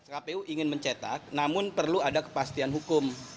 kpu ingin mencetak namun perlu ada kepastian hukum